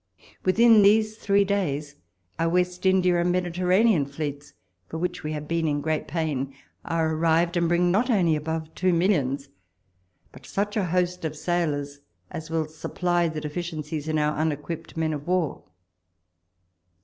Within these three days, our West India and Mediterranean fleets, for which we have been in great pain, are arrived, and bring not only above two millions, but such a host of sailors as will sujiply the deficiencies in our un equipped men of war.